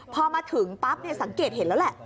พอมาถึงปั๊บสังเกตเห็นแล้วแหละ